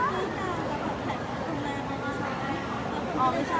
ไม่น่าจะราดีมากของฉัน